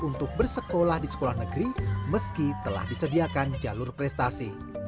untuk bersekolah di sekolah negeri meski telah disediakan jalur prestasi